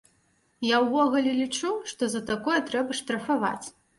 Я ўвогуле лічу, што за такое трэба штрафаваць.